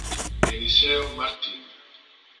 Eliseo Martín